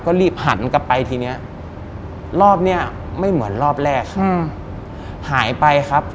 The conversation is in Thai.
ก็รีบหันกลับไปทีเนี้ยรอบเนี้ยไม่เหมือนรอบแรกอืมหายไปครับ